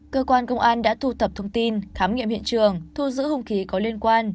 cơ quan công an đã thu thập thông tin khám nghiệm hiện trường thu giữ hùng khí có liên quan